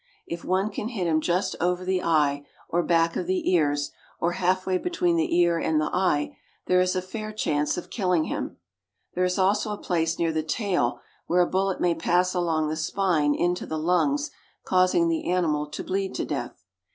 If one can hit him just over the eye or back of the ears, or halfway between the ear and the eye, there is a fair chance of killing him ; there is also a place near the tail where a bullet may pass along the spine into the lungs, causing the animal to bleed to death.